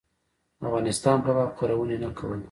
د افغانستان په باب خپرونې نه کولې.